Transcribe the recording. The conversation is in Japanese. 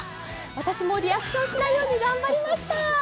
私もリアクションしないように頑張りました！